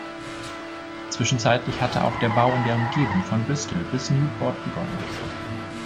Zwischenzeitlich hatte auch der Bau in der Umgebung von Bristol bis Newport begonnen.